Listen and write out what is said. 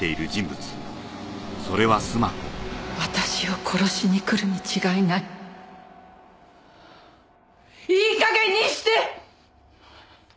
私を殺しに来るに違いないいい加減にして！